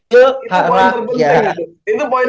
gue cuma galak sebenernya di media sosial